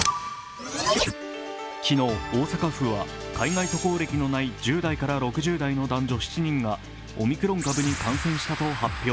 昨日大阪府は海外渡航歴のない１０代から６０代の男女７人がオミクロン株に感染したと発表。